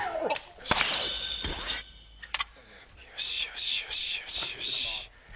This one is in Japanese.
よしよしよしよしよし。